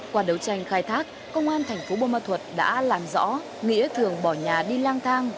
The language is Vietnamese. qua đấu tranh khai thác công an thành phố bô ma thuật đã làm rõ nghĩa thường bỏ nhà đi lang thang